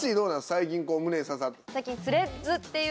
最近胸に刺さった。